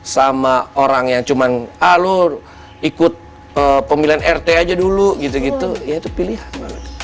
sama orang yang cuma ah lu ikut pemilihan rt aja dulu gitu gitu ya itu pilihan